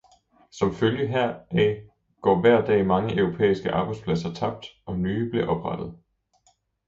Som følge heraf går hver dag mange europæiske arbejdspladser tabt, og nye bliver oprettet.